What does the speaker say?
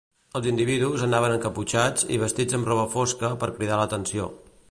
Els individus anaven encaputxats i vestits amb roba fosca per cridar l'atenció.